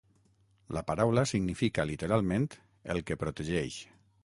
La paraula significa literalment "el que protegeix".